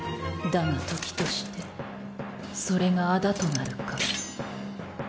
だが時としてそれがあだとなるか。